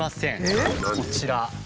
こちら。